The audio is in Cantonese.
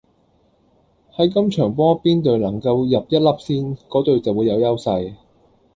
喺今場波邊隊能夠入一粒先，果隊就會有優勢